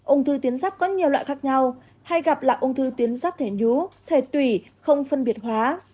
ung thư tiến giáp có nhiều loại khác nhau hay gặp là ung thư tiến giáp thể nhú thể tủy không phân biệt hóa